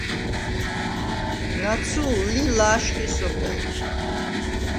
ნაცუ̄ლ ლი ლა̄შხი სოფელ.